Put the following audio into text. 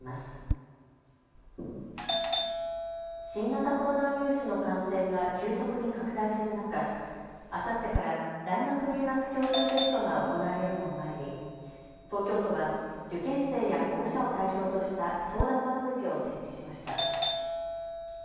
新型コロナウイルスの感染が急速に拡大する中、あさってから大学入学共通テストが行われるのを前に東京都は受験生や保護者を対象とした相談窓口を設置しました。